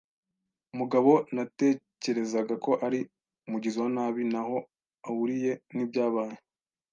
Umugabo natekerezaga ko ari umugizi wa nabi ntaho ahuriye nibyabaye.